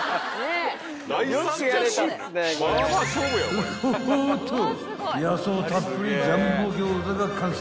［うっほっほっと野草たっぷりジャンボ餃子が完成］